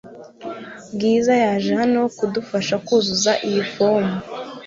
Bwiza yaje hano kudufasha kuzuza iyi fomu